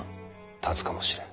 立つかもしれん。